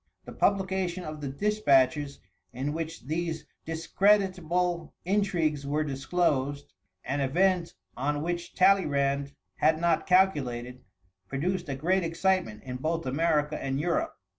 The publication of the dispatches in which these discreditible intrigues were disclosed, an event on which Talleyrand had not calculated, produced a great excitement in both America and Europe.